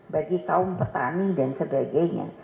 bagi kaum petani dan sebagainya